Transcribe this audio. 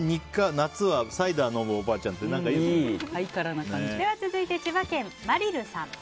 夏はサイダー飲むおばあちゃんって続いて千葉県の方。